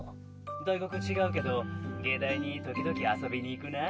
大学違うけど藝大に時々遊びに行くなぁ。